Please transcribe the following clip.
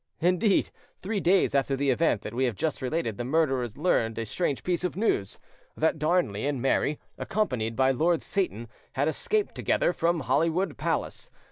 Indeed, three days after the event that we have just related, the murderers learned a strange piece of news—that Darnley and Mary, accompanied by Lord Seyton, had escaped together from Holyrood Palace.